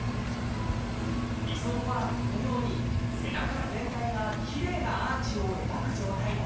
理想はこのように背中全体がきれいなアーチを描く状態。